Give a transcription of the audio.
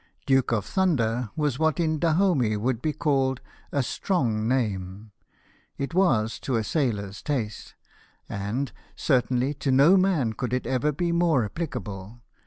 Duke of Thunder was what in Dahomey would be called a strong name ; it was to a sailor's taste ; and, certainly, to no man could it ever be more applicable.